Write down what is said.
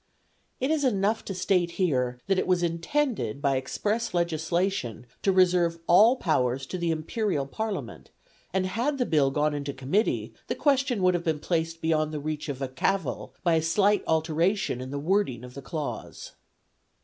It is enough to state here that it was intended by express legislation to reserve all powers to the Imperial Parliament, and had the Bill gone into Committee the question would have been placed beyond the reach of cavil by a slight alteration in the wording of the clause.